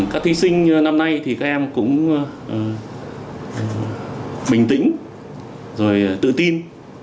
các thí sinh năm nay thì các em cũng bình tĩnh rồi tự tin